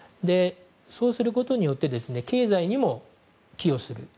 そうすることによって経済にも寄与すると。